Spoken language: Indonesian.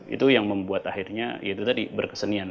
itu yang membuat akhirnya berkesenian